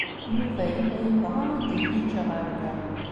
Yuba yella yebɣa ad d-igiǧǧ ɣer da.